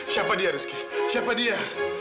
siapa dia rizky siapa dia